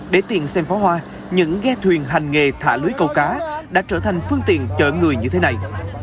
để tiện xem pháo hoa những ghe thuyền hành nghề thả lưới cầu cá đã trở thành phương tiện chở người như thế này